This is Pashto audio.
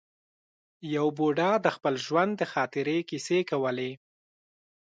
یو بوډا د خپل ژوند د خاطرې کیسې کولې.